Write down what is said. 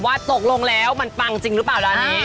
ว่าตกลงแล้วมันปังจริงหรือเปล่านี้